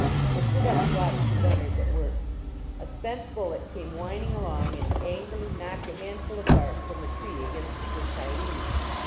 I stood up to watch the gunners at work. A spent bullet came whining along and angrily knocked a handful of bark from the tree against which I leaned.